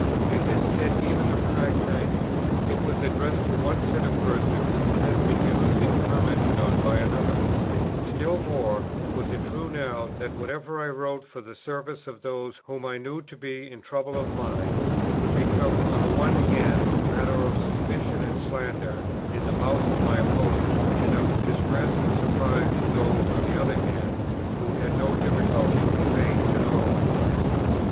I had said even of Tract 90, "It was addressed to one set of persons, and has been used and commented on by another;" still more was it true now, that whatever I wrote for the service of those whom I knew to be in trouble of mind, would become on the one hand matter of suspicion and slander in the mouths of my opponents, and of distress and surprise to those on the other hand, who had no difficulties of faith at all.